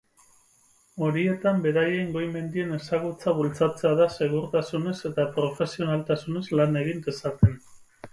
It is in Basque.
Horietan beraien goi mendien ezagutza bultzatzea da segurtasunez eta profesionaltasunez lan egin dezaten.